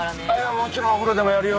もちろんお風呂でもやるよ。